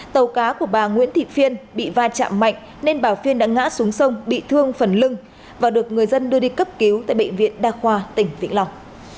tàu cá của bà nguyễn thị phiên bị va chạm mạnh nên bà phiên đã ngã xuống sông bị thương phần lưng và được người dân đưa đi cấp cứu tại bệnh viện đa khoa tỉnh vĩnh long